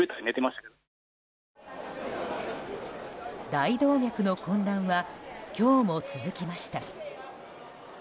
大動脈の混乱は今日も続きました。